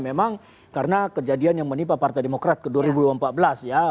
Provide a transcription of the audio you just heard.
memang karena kejadian yang menimpa partai demokrat ke dua ribu empat belas ya